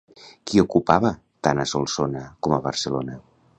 Qui ocupava tant a Solsona com a Barcelona?